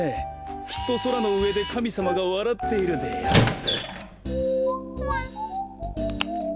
きっとそらのうえでかみさまがわらっているでやんす。